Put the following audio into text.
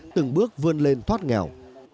từng bước vươn lên thoát nghèo